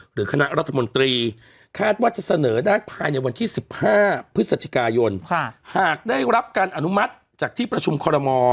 คณะรัฐมนตรีคาดว่าจะเสนอได้ภายในวันที่๑๕พฤศจิกายนหากได้รับการอนุมัติจากที่ประชุมคอรมอ